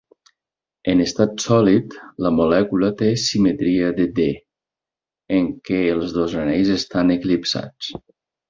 En estat sòlid, la molècula té simetria de D, en què els dos anells estan eclipsats.